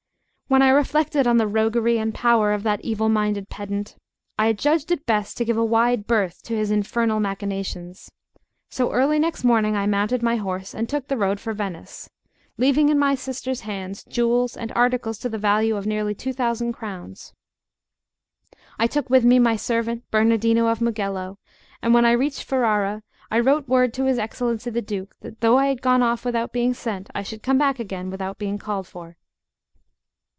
LXII WHEN I reflected on the roguery and power of that evil minded pedant, I judged it best to give a wide berth to his infernal machinations; so early next morning I mounted my horse and took the road for Venice, leaving in my sister's hands jewels and articles to the value of nearly two thousand crowns. I took with me my servant Bernardino of Mugello; and when I reached Ferrara, I wrote word to his Excellency the Duke, that though I had gone off without being sent, I should come back again without being called for.